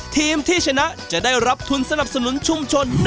ทีมที่ชนะจะได้รับทุนสนับสนุนชุมชน